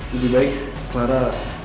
lebih baik clara